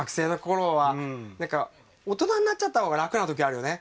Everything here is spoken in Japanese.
大人になっちゃったほうが楽な時あるよね。